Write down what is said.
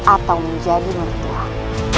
atau menjadi murid tuhan